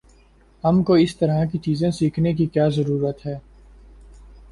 ہم کو اس طرح کی چیزیں سیکھنے کی کیا ضرورت ہے؟